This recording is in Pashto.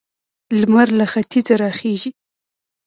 لمر له ختیځه راخيژي.